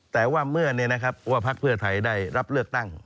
แต่ว่าเมื่อว่าพักเพื่อไทยได้รับเลือกตั้ง